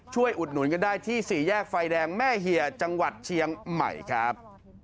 อุดหนุนกันได้ที่สี่แยกไฟแดงแม่เฮียจังหวัดเชียงใหม่ครับ